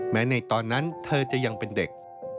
ในตอนนั้นเธอจะยังเป็นเด็ก